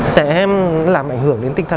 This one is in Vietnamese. sẽ làm ảnh hưởng đến tinh thần